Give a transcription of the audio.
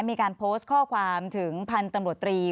มีการโพสต์ข้อความถึงพันธุ์ตำรวจตรี